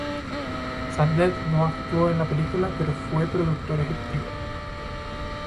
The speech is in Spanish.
Sandler no actuó en la película, pero fue productor ejecutivo.